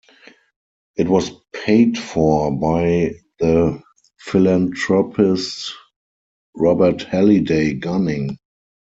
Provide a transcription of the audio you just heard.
It was paid for by the philanthropist Robert Halliday Gunning.